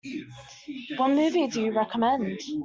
What movie do you recommend?